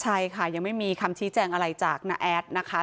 ใช่ค่ะยังไม่มีคำชี้แจงอะไรจากน้าแอดนะคะ